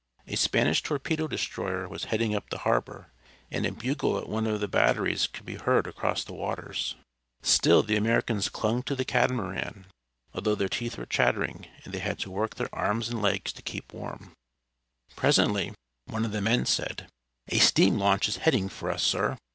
A Spanish torpedo destroyer was heading up the harbor, and a bugle at one of the batteries could be heard across the waters. Still the Americans clung to the catamaran, although their teeth were chattering, and they had to work their arms and legs to keep warm. [Illustration: SPANISH BOATS PULLED CLOSE TO THEM] Presently one of the men said, "A steam launch is heading for us, sir!"